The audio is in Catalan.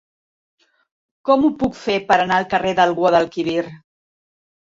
Com ho puc fer per anar al carrer del Guadalquivir?